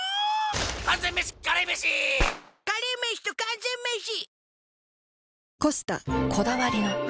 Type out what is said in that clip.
完全メシカレーメシカレーメシと完全メシ